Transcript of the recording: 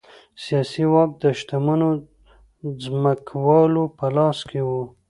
سیاسي واک د شتمنو ځمکوالو په لاس کې و